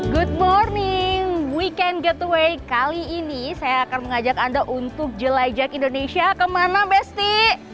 good morning weekend getaway kali ini saya akan mengajak anda untuk jelejak indonesia kemana besti